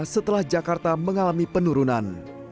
setelah jakarta mengalami penurunan